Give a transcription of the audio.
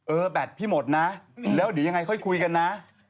แบตพี่หมดนะแล้วเดี๋ยวยังไงค่อยคุยกันนะ